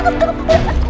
mas cukup cukup